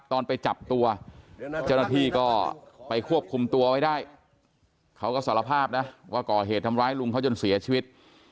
ตอนไปจับตัวเจ้าหน้าที่ก็ไปควบคุมตัวไว้ได้เขาก็สารภาพนะว่าก่อเหตุทำร้ายลุงเขาจนเสียชีวิต